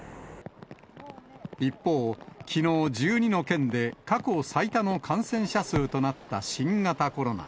一方、きのう１２の県で過去最多の感染者数となった新型コロナ。